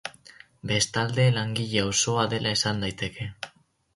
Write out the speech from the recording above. Bestalde langile auzoa dela esan daiteke.